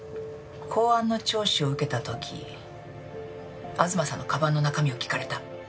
公安の聴取を受けた時東さんの鞄の中身を聞かれた。